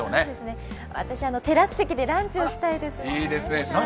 私、テラス席でランチをしたいですね。